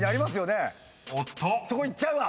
そこいっちゃうわ。